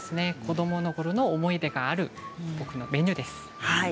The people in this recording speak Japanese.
子どものころの思い出があるメニューです。